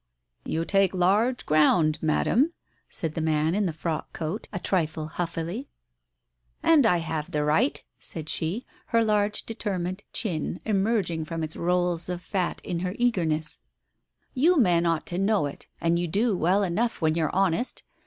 "You take large ground, Madam," said the man in the frock coat, a trifle huffily. "And I have the right; " said she, her large determined chin emerging from its rolls of fat in her eagerness. Digitized by Google THE COACH 139 "You men ought to know it, and you do well enough, when you're honest.